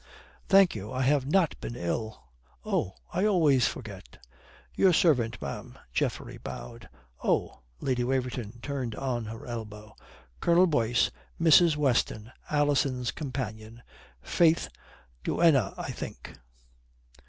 "Thank you. I have not been ill." "Oh, I always forget." "Your servant, ma'am." Geoffrey bowed. "Oh," Lady Waverton turned on her elbow. "Colonel Boyce Mrs. Weston, Alison's companion. Faith, duenna, I think."